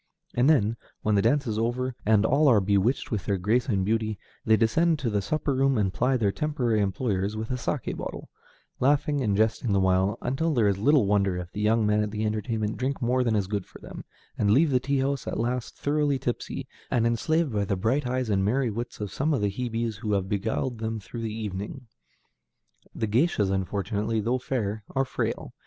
And then, when the dance is over, and all are bewitched with their grace and beauty, they descend to the supper room and ply their temporary employers with the saké bottle, laughing and jesting the while, until there is little wonder if the young men at the entertainment drink more than is good for them, and leave the tea house at last thoroughly tipsy, and enslaved by the bright eyes and merry wits of some of the Hebes who have beguiled them through the evening. The géishas unfortunately, though fair, are frail.